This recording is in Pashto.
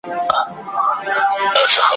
توري د پنځو زرو کلونو زنګ وهلي دي `